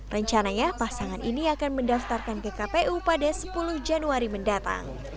rencananya pasangan ini akan mendaftarkan ke kpu pada sepuluh januari mendatang